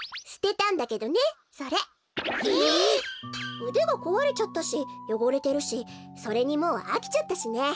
うでがこわれちゃったしよごれてるしそれにもうあきちゃったしね。